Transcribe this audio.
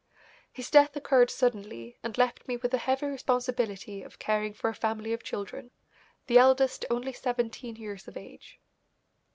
His death occurred suddenly and left me with the heavy responsibility of caring for a family of children, the eldest only seventeen years of age.